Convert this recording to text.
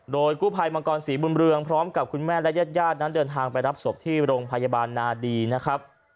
โดยกู้ภัยมังกรศรีบุญเรืองพร้อมกับคุณแม่และญาติญาตินั้นเดินทางไปรับศพที่โรงพยาบาลนาดีนะครับ